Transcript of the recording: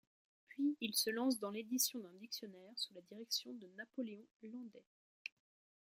Puis il se lance dans l'édition d'un dictionnaire sous la direction de Napoléon Landais.